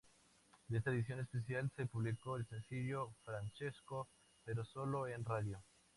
De esta edición especial, se publicó el sencillo, "Francesco", pero solo en radio.